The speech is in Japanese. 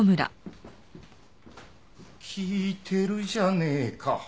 聞いてるじゃねえか。